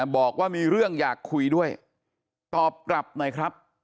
บอกว่ามีเรื่องอยากคุยด้วยตอบกลับหน่อยครับ